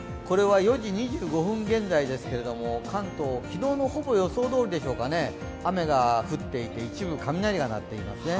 ４時２５分現在ですけど、関東昨日のほぼ予想どおりでしょうかね、雨が降っていて一部、雷が鳴っていますね。